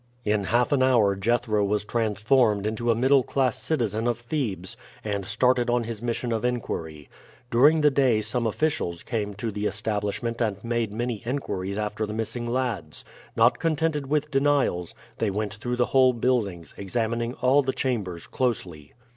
In half an hour Jethro was transformed into a middle class citizen of Thebes, and started on his mission of inquiry. During the day some officials came to the establishment and made many inquiries after the missing lads. Not contented with denials, they went through the whole buildings, examining all the chambers closely.